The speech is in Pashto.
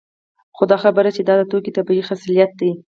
خو دا خبره چې دا د توکو طبیعي خصلت دی